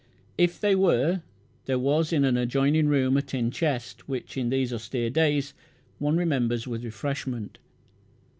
If they were, there was in an adjoining room a tin chest, which in these austere days one remembers with refreshment.